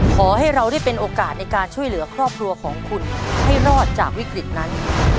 ขอให้เราได้เป็นโอกาสในการช่วยเหลือครอบครัวของคุณให้รอดจากวิกฤตนั้น